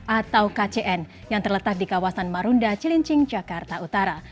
atau kcn yang terletak di kawasan marunda cilincing jakarta utara